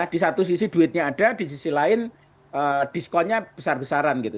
di satu sisi duitnya ada di sisi lain diskonnya besar besaran gitu